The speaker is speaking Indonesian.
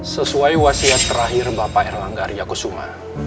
sesuai wasiat terakhir bapak erlangga arya kusuma